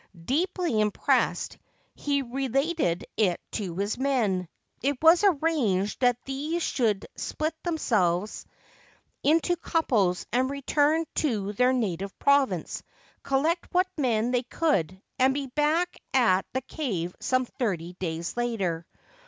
Deeply impressed, he re lated it to his men. It was arranged that these should split themselves up into couples and return to their native province, collect what men they could, and be back at the cave some thirty days later.